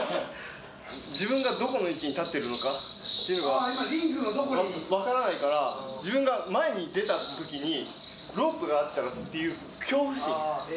自分がどこの位置に立っているかというのが、分からないから、自分が前に出たときに、ロープがあったらっていう恐怖心。